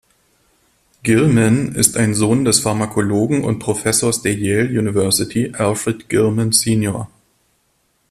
Gilman ist ein Sohn des Pharmakologen und Professors der Yale University, Alfred Gilman, Sr.